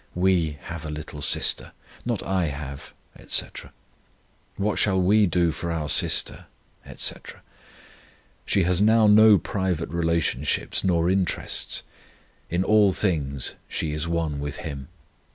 "We have a little sister," not I have, etc.; "what shall we do for our sister," etc.? She has now no private relationships nor interests; in all things she is one with Him.